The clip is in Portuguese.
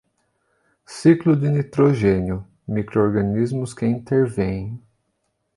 Ciclo de nitrogênio: microorganismos que intervêm.